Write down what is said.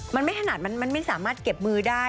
มันไม่ถนัดมันไม่สามารถเก็บมือได้